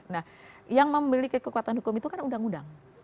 nah yang memiliki kekuatan hukum itu kan undang undang